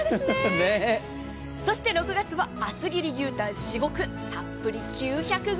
そして６月は厚切り牛タン至極たっぷり９００ｇ。